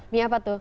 mie apa tuh